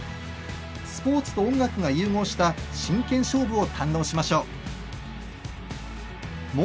スポーツと音楽の融合した真剣勝負を堪能しましょう。